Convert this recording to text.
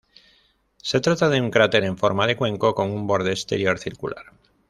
Se trata de un cráter en forma de cuenco, con un borde exterior circular.